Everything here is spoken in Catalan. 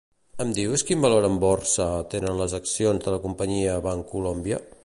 Em dius quin valor en borsa tenen les accions de la companyia Bancolombia?